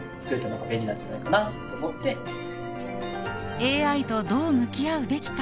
ＡＩとどう向き合うべきか。